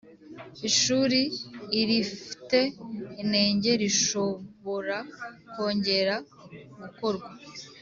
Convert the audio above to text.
Ishuri irifte inenge rishobora kongera gukorwa